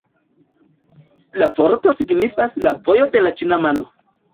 La vorto signifas «la vojo de la ĉina mano».